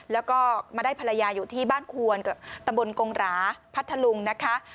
แล้วก็มาได้ภรรยาอยู่ที่บ้านควรตำบลกงหราพัทธลุงนะคะ